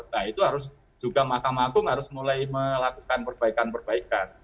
nah itu harus juga mahkamah agung harus mulai melakukan perbaikan perbaikan